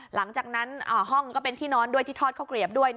หลังจากนั้นห้องก็เป็นที่นอนด้วยที่ทอดข้าวเกลียบด้วย